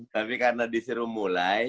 tapi karena disuruh mulai